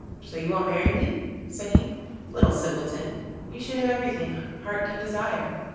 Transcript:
so you won't marry me?' said he. 'Little simpleton, you should have everything heart can desire.